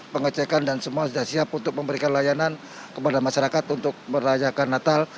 pengecekan dan semua sudah siap untuk memberikan layanan kepada masyarakat untuk merayakan natal